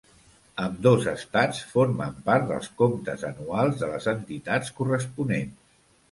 Ambdós estats formen part dels comptes anuals de les entitats corresponents.